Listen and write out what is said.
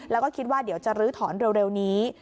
แล้วก็คิดว่าเดี๋ยวจะลื้อถอนเร็วนี้